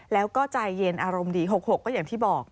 แล้วก็ใจเย็นอารมณ์ดี๖๖ก็อย่างที่บอก